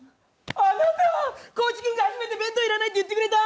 あなた、こういち君が初めて弁当要らないって言ってくれた。